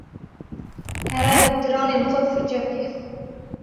Here diranên xwe firçe bike.